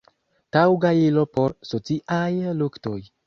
taŭga ilo por sociaj luktoj".